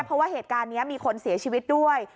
เพราะว่าเหตุการณ์นี้มีคนเสียชีวิตด้วย